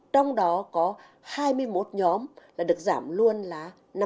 trong đó có hai mươi một nhóm là được giảm luôn là năm mươi